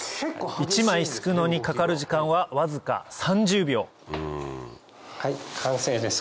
１枚漉くのにかかる時間はわずか３０秒はい完成です